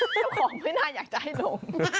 เจ้าของไม่น่าอยากจะให้ลง